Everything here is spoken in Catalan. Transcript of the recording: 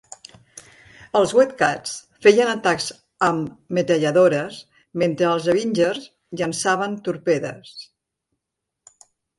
Els Wildcats feien atacs amb metralladores mentre els Avengers llençaven torpedes.